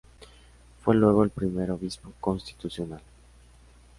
Fue luego el primer obispo constitucional.